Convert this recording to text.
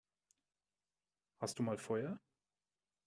Hast du mal Feuer?